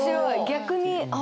逆に。